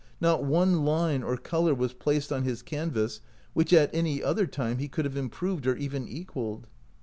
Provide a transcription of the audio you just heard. Not one line or color was placed on his canvas which at any other time he could have improved or even equaled.